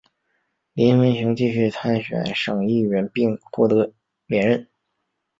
林文雄继续参选省议员并获得连任。